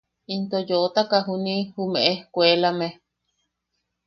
Into yootaka juni’i jume ejkuelame.